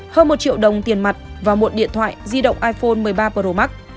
hơn một triệu đồng tiền mặt và một điện thoại di động iphone một mươi ba pro max